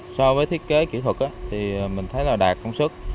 so với thiết kế kỹ thuật thì mình thấy là đạt công sức